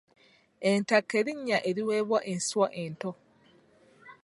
Entakke linnya eriweebwa enswa ento.